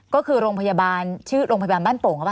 ก็คือโรงพยาบาลบ้านโป่ง